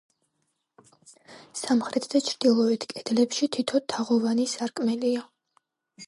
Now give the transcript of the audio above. სამხრეთ და ჩრდილოეთ კედლებში თითო თაღოვანი სარკმელია.